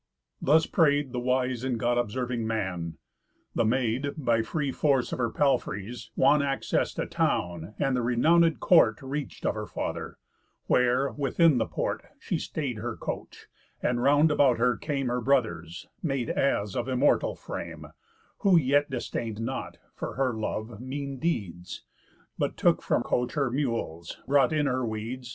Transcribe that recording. Thus pray'd the wise and God observing man. The Maid, by free force of her palfreys, wan Access to town, and the renownéd court Reach'd of her father; where, within the port, She stay'd her coach, and round about her came Her brothers, made as of immortal frame, Who yet disdain'd not, for her love, mean deeds, But took from coach her mules, brought in her weeds.